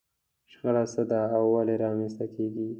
شخړه څه ده او ولې رامنځته کېږي؟